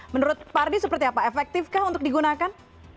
menurut pak ardi seperti apa efektifkah untuk digunakan